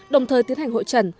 đồng thời tiến hành hội trần